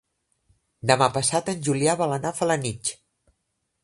Demà passat en Julià vol anar a Felanitx.